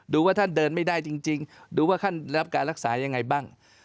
ว่าท่านเดินไม่ได้จริงดูว่าท่านได้รับการรักษายังไงบ้าง